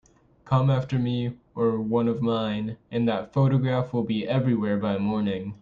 Come after me or one of mine, and that photograph will be everywhere by morning.